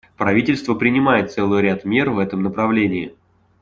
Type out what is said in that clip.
Правительство принимает целый ряд мер в этом направлении.